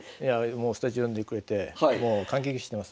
スタジオ呼んでくれて感激してます。